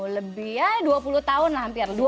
lebih ya dua puluh tahun lah hampir